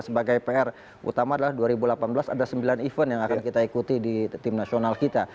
sebagai pr utama adalah dua ribu delapan belas ada sembilan event yang akan kita ikuti di tim nasional kita